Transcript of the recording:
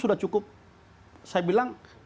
sudah cukup saya bilang